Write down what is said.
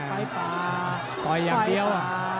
ไปป่าต่อยอย่างเดียว